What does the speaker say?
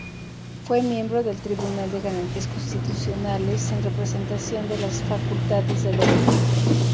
Fue miembro del Tribunal de Garantías Constitucionales en representación de las facultades de derecho.